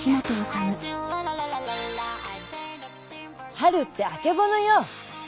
「春ってあけぼのよ。